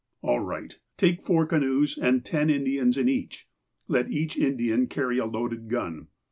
"All right. Take four canoes, and ten Indians in each. Let each Indian carry a loaded gun.